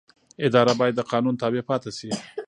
اداره باید د قانون تابع پاتې شي.